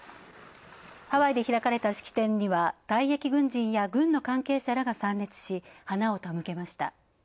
ハワイで開かれた式典では退役軍人や軍の関係者らが参列し花をたむけました。